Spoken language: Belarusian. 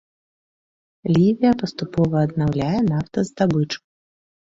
Лівія паступова аднаўляе нафтаздабычу.